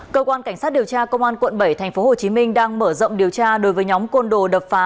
cơ quan cảnh sát điều tra công an quận bảy tp hcm đang mở rộng điều tra đối với nhóm côn đồ đập phá